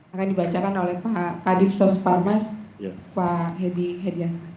akan dibacakan oleh pak kadif sos parmas pak hedi herdiana